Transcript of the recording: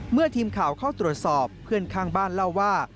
เมื่อทีมข่าวเข้าตรวจสอบเพื่อนข้างบ้านเล่าว่า